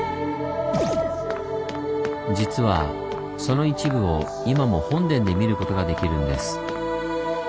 実はその一部を今も本殿で見ることができるんです。